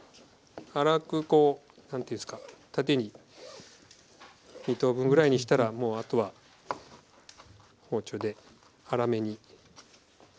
粗くこうなんていうんですか縦に２等分ぐらいにしたらもうあとは包丁で粗めに。